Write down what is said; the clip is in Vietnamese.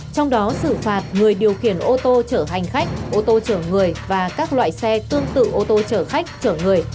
trong đó xử phạt người điều khiển ô tô chở hành khách ô tô chở người và các loại xe tương tự ô tô chở khách chở người